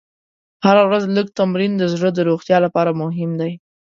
هره ورځ لږ تمرین د زړه د روغتیا لپاره مهم دی.